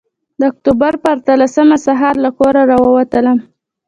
د اکتوبر پر اتلسمه سهار له کوره راووتلم.